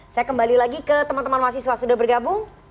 saya kembali lagi ke teman teman mahasiswa sudah bergabung